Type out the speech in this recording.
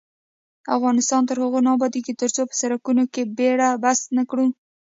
افغانستان تر هغو نه ابادیږي، ترڅو په سرکونو کې بیړه بس نکړو.